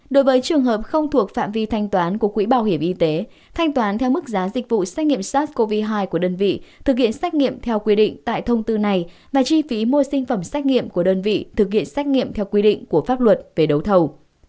đối với trường hợp không thuộc phạm vi thanh toán của quỹ bảo hiểm y tế thanh toán theo mức giá dịch vụ xét nghiệm sars cov hai của đơn vị thực hiện xét nghiệm theo quy định tại thông tư này và chi phí mua sinh phẩm xét nghiệm của đơn vị thực hiện xét nghiệm theo quy định của pháp luật về đấu thầu